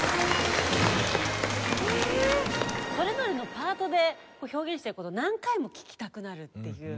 それぞれのパートで表現してる事何回も聴きたくなるっていう。